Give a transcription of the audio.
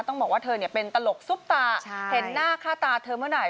ต้องบอกว่าเธอเป็นตลกซุปตาเห็นหน้าค่าตาเธอเมื่อไหร